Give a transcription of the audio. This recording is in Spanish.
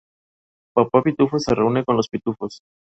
Papá Pitufo se reúne con los pitufos.